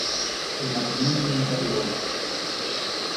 El matrimonio nunca tuvo hijos.